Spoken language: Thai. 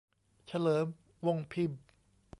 เฉลิม วงค์พิมพ์